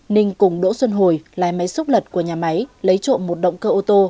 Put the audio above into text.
ninh cùng đỗ xuân hồi lái máy xúc lật của nhà máy lấy trộm một động cơ ô tô